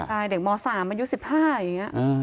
ใช่เด็กม๓อายุ๑๕อย่างนี้